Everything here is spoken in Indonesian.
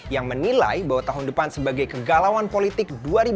yang menilai bahwa tahun depan sebagai kegalauan politik dua ribu dua puluh